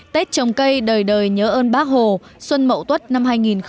tết trồng cây đời đời nhớ ơn bác hồ xuân mậu tuất năm hai nghìn một mươi tám